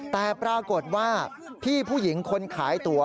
แต่ปรากฏว่าพี่ผู้หญิงคนขายตัว